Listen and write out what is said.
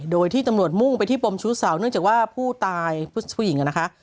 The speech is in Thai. โดยที่ตำรวจมุ่งไปที่ปมชู้สาวเนื่องจากว่าผู้ตายผู้หญิงนะคะ